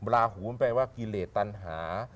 ลาหูมันแปลว่ากิเลสตันหา